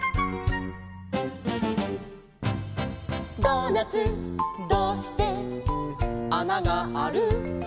「ドーナツどうしてあながある？」